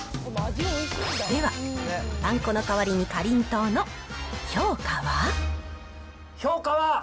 では、パン粉の代わりにかりんとうの評価は？